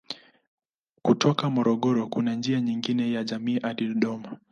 Kutoka Morogoro kuna njia nyingine ya lami hadi Dodoma.